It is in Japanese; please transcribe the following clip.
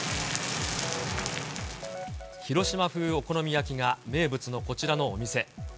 広島風お好み焼きが名物のこちらのお店。